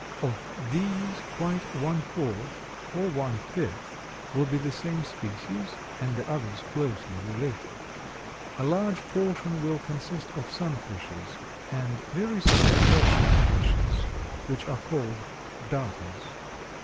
Of these quite one fourth, or one fifth, will be the same species, and the others closely related. A large portion will consist of sunfishes and very small, perch like fishes, which are called darters.